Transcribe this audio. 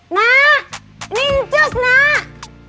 nak ini incus nak